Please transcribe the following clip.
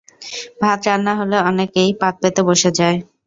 ভাত রান্না হলে অনেকেই পাত পেতে বসে যায়।